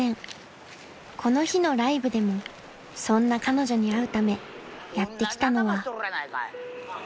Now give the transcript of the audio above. この日のライブでもそんな彼女に会うためやって来たのは］